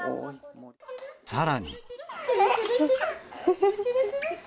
さらに。